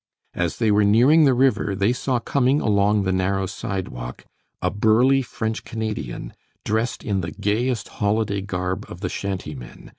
As they were nearing the river, they saw coming along the narrow sidewalk a burly French Canadian, dressed in the gayest holiday garb of the shantymen.